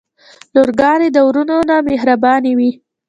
لورګانې د وروڼه نه مهربانې وی.